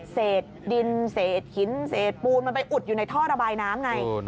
เศษดินเศษหินเศษปูนมันไปอุดอยู่ในท่อระบายน้ำไง